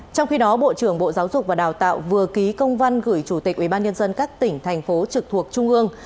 trong khi đó bộ trưởng bộ giáo dục và đào tạo vừa ký công văn gửi chủ tịch ubnd các tỉnh thành phố trực thuộc trung ương